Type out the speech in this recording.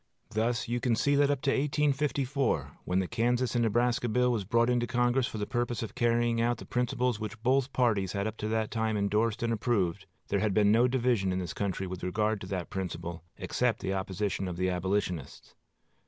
Thus you see that up to 1854, when the Kansas and Nebraska bill was brought into Congress for the purpose of carrying out the principles which both parties had up to that time indorsed and approved, there had been no division in this country in regard to that principle, except the opposition of the Abolitionists....